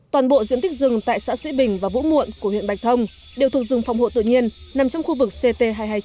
toàn bộ diện tích rừng tại xã sĩ bình và vũ muộn của huyện bạch thông đều thuộc rừng phòng hộ tự nhiên nằm trong khu vực ct hai trăm hai mươi chín